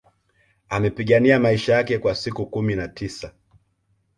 Amepigania maisha yake kwa siku kumi na tisa